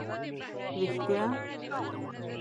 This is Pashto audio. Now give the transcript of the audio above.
رېښتیا؟!